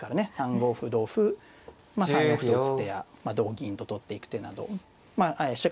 ３五歩同歩３四歩と打つ手や同銀と取っていく手など飛車